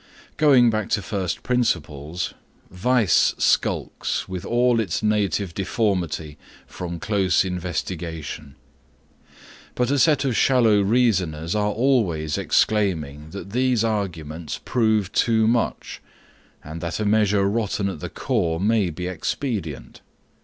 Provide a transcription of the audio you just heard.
Going back to first principles, vice skulks, with all its native deformity, from close investigation; but a set of shallow reasoners are always exclaiming that these arguments prove too much, and that a measure rotten at the core may be expedient.